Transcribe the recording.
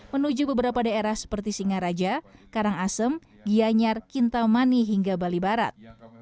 menuju beberapa daerah seperti singaraja karangasem gianyar kintamani hingga bali barat